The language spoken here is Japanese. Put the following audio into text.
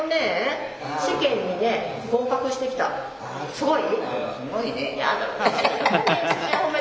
すごい？